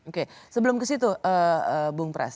oke sebelum ke situ bung pras